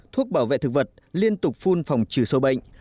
thuốc bảo vệ thực vật liên tục phun phòng trừ sâu bệnh